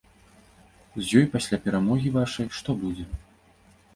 З ёй пасля перамогі вашай, што будзе?